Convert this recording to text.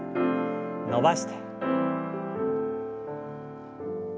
伸ばして。